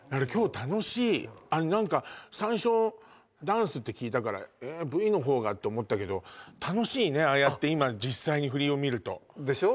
何か最初ダンスって聞いたからえＶの方がって思ったけど楽しいねああやって今実際に振りを見るとでしょ？